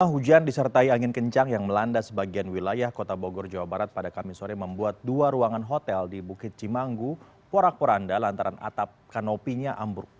hujan disertai angin kencang yang melanda sebagian wilayah kota bogor jawa barat pada kamis sore membuat dua ruangan hotel di bukit cimanggu porak poranda lantaran atap kanopinya ambruk